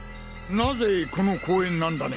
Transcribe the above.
なぜこの公園なんだね。